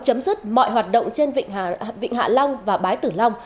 chấm dứt mọi hoạt động trên vịnh hạ long và bái tử long